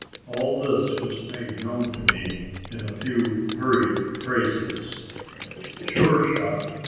All this was made known to me in a few hurried phrases. Sure shot!